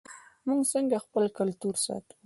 موږ څنګه خپل کلتور ساتو؟